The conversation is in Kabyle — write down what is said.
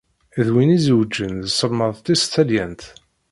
D win izewǧen d tselmadt-is talyant.